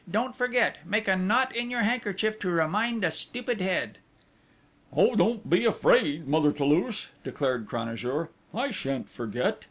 Don't forget.... Make a knot in your handkerchief to remind a stupid head!" "Oh, don't be afraid, Mother Toulouche," declared Cranajour, "I shan't forget!"